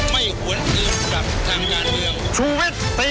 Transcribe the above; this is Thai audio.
ไม่ควรเตรียมกับทางงานเดียว